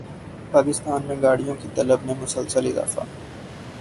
پاکستان میں گاڑیوں کی طلب میں مسلسل اضافہ